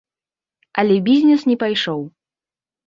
Але бізнес не пайшоў.